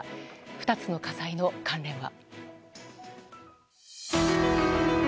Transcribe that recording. ２つの火災の関連は。